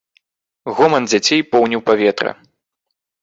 Гоман дзяцей поўніў паветра.